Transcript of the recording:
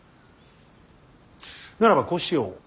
ならばこうしよう。